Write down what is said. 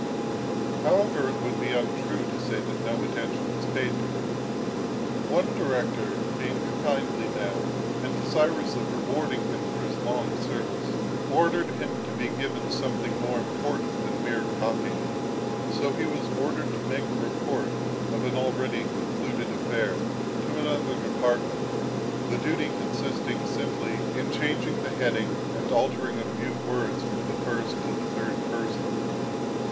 However, it would be untrue to say that no attention was paid to him. One director being a kindly man, and desirous of rewarding him for his long service, ordered him to be given something more important than mere copying. So he was ordered to make a report of an already concluded affair, to another department; the duty consisting simply in changing the heading and altering a few words from the first to the third person.